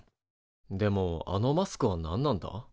でもあのマスクは何なんだ？